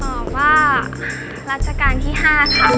ตอบว่าราชการที่๕ครับ